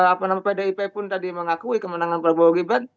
apa namanya pdip pun tadi mengakui kemenangan prabowo gibran